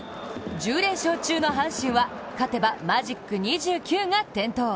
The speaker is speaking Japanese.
１０連勝中の阪神は勝てばマジック２９が点灯。